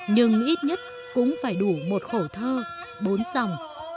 nhưng ít nhất cũng phải đủ một khẩu thơ bốn dòng